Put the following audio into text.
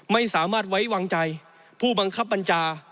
ไม่สามารถไว้วางใจผู้บังคับบัญชา